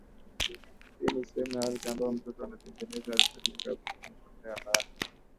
Hii ni sehemu ya ardhi ambayo mtoto anategemewa atajenga na kuanzisha familia yake Bahati